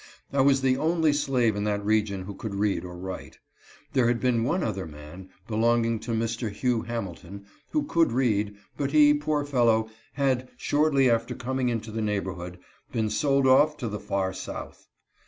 I was the only slave in that region who could read or write. There had been one other man, belonging to Mr. Hugh Hamilton, who could read, but he, poor fellow, had, shortly after coming into the neighbor hood, been sold off to the far south.